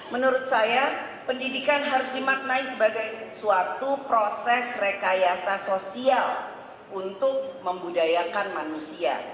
menurut saya pendidikan harus dimaknai sebagai suatu proses rekayasa sosial untuk membudayakan manusia